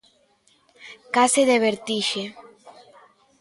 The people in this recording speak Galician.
Case de vertixe.